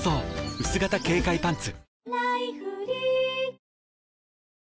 「うす型軽快パンツ」